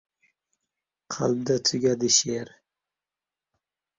Qalbda tugadi she’r